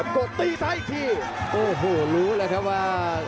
กดตีซ้ายอีกทีโอ้โหรู้แล้วครับว่า